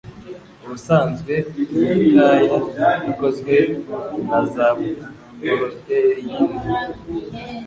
Ubusanzwe, imikaya ikozwe na za poroteyine